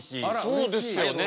そうですよね。